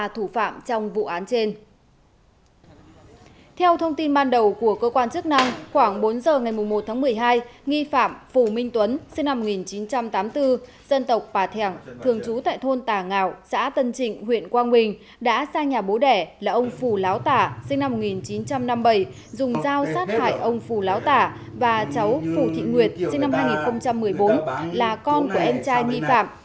theo thông tin ban đầu của cơ quan chức năng khoảng bốn giờ ngày một tháng một mươi hai nghi phạm phủ minh tuấn sinh năm một nghìn chín trăm tám mươi bốn dân tộc bà thẻng thường trú tại thôn tà ngạo xã tân trịnh huyện quang quỳnh đã sang nhà bố đẻ là ông phủ láo tả sinh năm một nghìn chín trăm năm mươi bảy dùng dao sát hại ông phủ láo tả và cháu phủ thị nguyệt sinh năm hai nghìn một mươi bốn là con của em trai nghi phạm